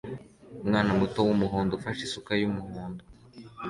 Umwana muto wumuhondo ufashe isuka yumuhondo